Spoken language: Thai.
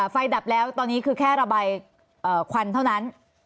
ดับแล้วตอนนี้คือแค่ระบายควันเท่านั้น